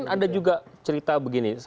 ada juga cerita begini